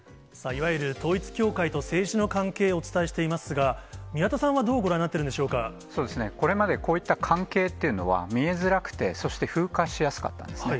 いわゆる統一教会と政治の関係をお伝えしていますが、宮田さんはどうご覧になってるんでしょこれまでこういった関係っていうのは、見えづらくて、そして風化しやすかったんですね。